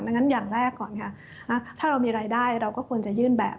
งั้นอย่างแรกก่อนค่ะถ้าเรามีรายได้เราก็ควรจะยื่นแบบ